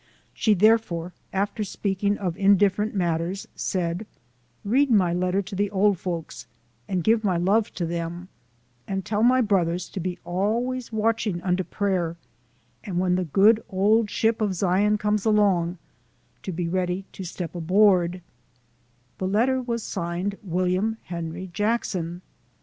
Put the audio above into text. She, therefore, after speaking of indifferent matters, said, "Read my letter to the old folks, and give my love to them, and tell my brothers to be always watching unto prayer, and when the good old ship of Zion comes along, to be ready to step aboard" The letter was signed " William Henry Jackson."